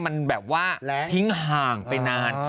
มันแบบว่าทิ้งห่างไปนาน